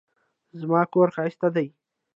زما کور ښايسته دی